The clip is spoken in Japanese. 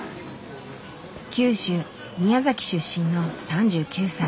九州宮崎出身の３９歳。